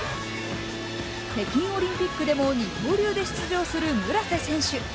北京オリンピックでも二刀流で出場する村瀬選手。